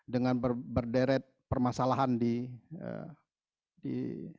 dengan berderet permasalahan di tanjung jambung barat ini